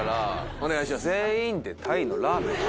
お願いします。